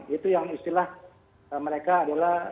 itu yang istilah mereka adalah